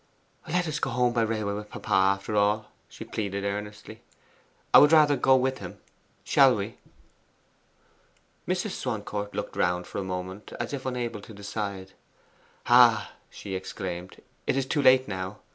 'Let us go home by railway with papa, after all,' she pleaded earnestly. 'I would rather go with him shall we?' Mrs. Swancourt looked around for a moment, as if unable to decide. 'Ah,' she exclaimed, 'it is too late now.